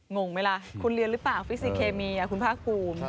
งงไหมล่ะคุณเรียนรึเปล่าฐานศึกภาษาศึกภาษา